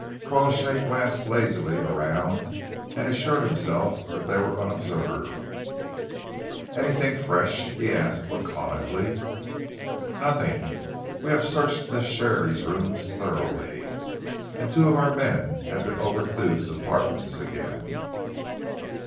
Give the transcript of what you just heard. Crawshay glanced lazily around and assured himself that they were unobserved. "Anything fresh?" he asked laconically. "Nothing. We have searched Miss Sharey's rooms thoroughly, and two of our men have been over Thew's apartments again."